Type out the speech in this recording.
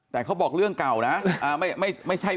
แต่เขาบอกเรื่องเก่านะ